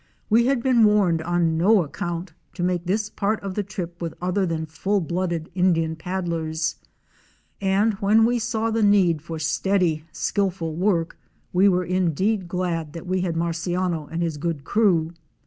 We had been warned on no account to make this part of the trip with other than full blooded Indian paddlers, and when we saw the need for steady, skilful work, we were in deed glad that we had Marciano and his good crew.